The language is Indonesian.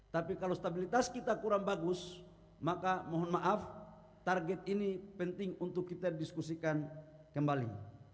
tapi kalau stabilitas kita kurang bagus maka mohon maaf target ini penting untuk kita diskusikan kembali